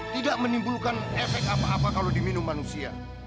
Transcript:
tidak menimbulkan efek apa apa kalau diminum manusia